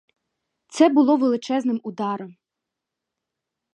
Це було величезним ударом.